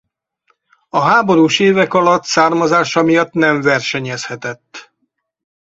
A háborús évek alatt származása miatt nem versenyezhetett.